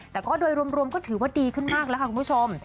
แต่ก็โดยรวมก็ถือว่าดีขึ้นมากแล้วค่ะคุณผู้ชม